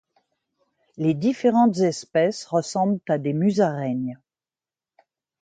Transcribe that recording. Les différentes espèces ressemblent à des musaraignes.